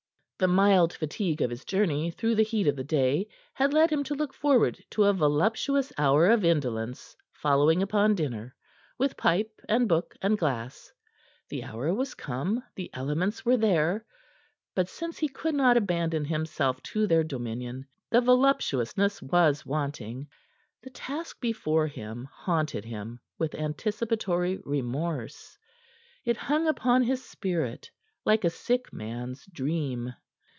The mild fatigue of his journey through the heat of the day had led him to look forward to a voluptuous hour of indolence following upon dinner, with pipe and book and glass. The hour was come, the elements were there, but since he could not abandon himself to their dominion the voluptuousness was wanting. The task before him haunted him with anticipatory remorse. It hung upon his spirit like a sick man's dream.